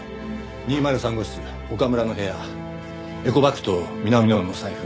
２０３号室岡村の部屋エコバッグと南野の財布。